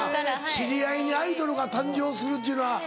知り合いにアイドルが誕生するっちゅうのは。